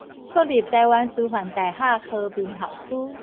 國立臺灣師範大學和平校區